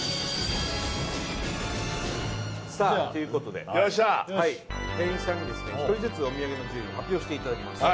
さあということでよっしゃ店員さんに一人ずつおみやげの順位を発表していただきます